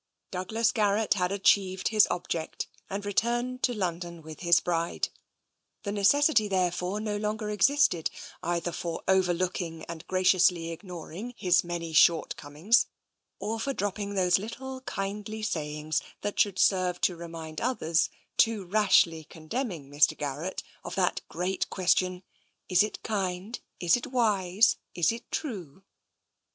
TENSION 223 Douglas Garrett had achieved his object, and re turned to London with his bride. The necessity there fore no longer existed either for overlooking and graciously ignoring his many shortcomings, or for dropping those little kindly sayings that should serve to remind others, too rashly condemning Mr. Garrett, of that great question, " Is it kind — is it wise — is it true?"